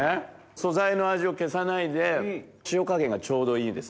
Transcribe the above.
素材の味を消さないで塩加減がちょうどいいですね。